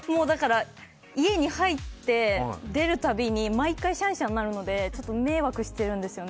家に入って出るたびに、毎回シャンシャン鳴るのでちょっと迷惑しているんですよね。